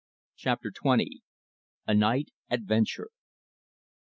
CHAPTER TWENTY. A NIGHT ADVENTURE.